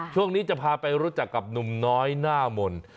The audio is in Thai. ช่วงนี้จะพาไปรู้จักกับหนุ่มน้อยหน้ามนต์